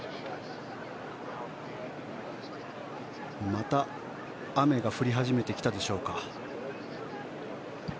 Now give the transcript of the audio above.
また雨が降り始めてきたでしょうか。